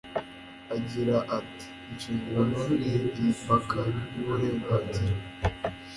Agira ati inshingano ni imipaka yuburenganzira